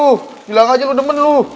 tuh hilang aja lu demen lu